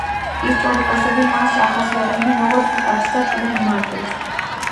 ისტორიკოსები მას ახასიათებენ, როგორც მკაცრ და ჭკვიან მმართველს.